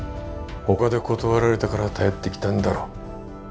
ほかで断られたから頼ってきたんだろ。